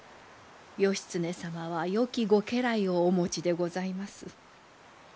義経様はよきご家来をお持ちでございます。